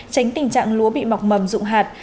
tránh tình trạng lúa bị mọc mầm rụng hạt